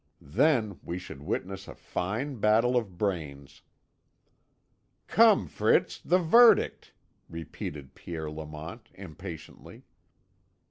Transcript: Then we should witness a fine battle of brains." "Come, Fritz the verdict!" repeated Pierre Lamont impatiently.